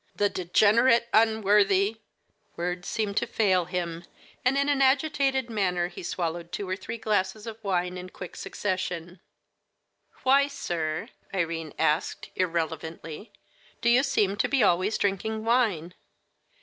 "The degenerate, unworthy " Words seemed to fail him, and in an agitated manner he swallowed two or three glasses of wine in quick succession. "Why, sir," Irene asked irrelevantly, "do you seem to be always drinking wine?"